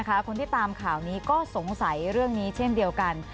คนที่ตามข่าวนี้ก็สงสัยเรื่องนี้เช่นเดียวกัน